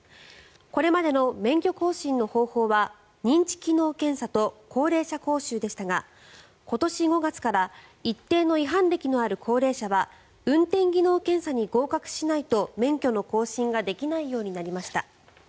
これまでの免許更新の方法は認知機能検査と高齢者講習でしたが今年５月から一定の違反歴のある高齢者は運転技能検査に合格しないと免許の更新ができないようになりました。